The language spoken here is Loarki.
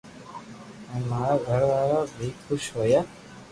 ھين مارا گھر وارا بي خوݾ ھويا